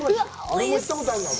俺も行ったことあるの。